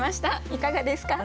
いかがですか？